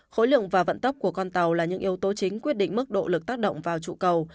khối lượng và vận tốc của con tàu là những yếu tố chính quyết định mức độ lực tác động vào trụ cầu